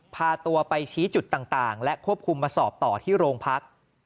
พาตัวไปชี้จุดต่างและควบคุมมาสอบต่อที่โรงพัก